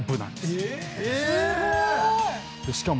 すごーい！